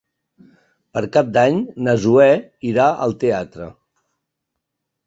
Per Cap d'Any na Zoè irà al teatre.